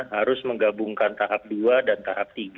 harus menggabungkan tahap dua dan tahap tiga